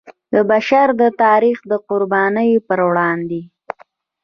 د بشر د تاریخ د قربانیو پر وړاندې.